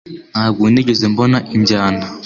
Ntabwo nigeze mbona injyana